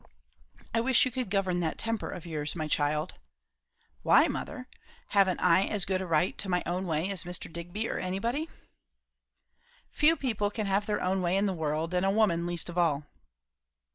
"I wish you could govern that temper of yours, my child." "Why, mother? Haven't I as good a right to my own way as Mr. Digby, or anybody?" "Few people can have their own way in the world; and a woman least of all."